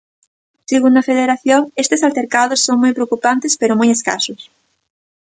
Segundo a Federación estes altercados son moi preocupantes pero moi escasos.